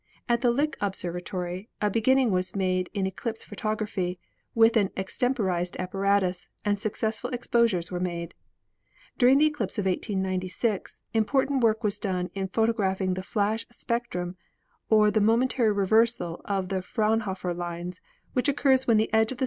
At the Lick Observatory a beginning was made in eclipse photog raphy with an extemporized apparatus and successful ex posures were made. During the eclipse of 1896 important work was done in photographing the flash spectrum or the momentary reversal of the Fraunhofer lines which occurs when the edge of the.